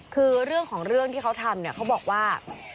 คือเรื่องของเรื่องที่เขาทำเนี่ยเขาบอกว่า